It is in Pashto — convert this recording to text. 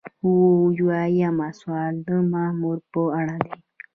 اووه اویایم سوال د مامور په اړه دی.